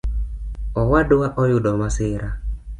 Owadwa oyudo masira